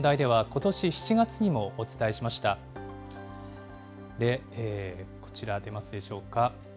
こちら、出ますでしょうか。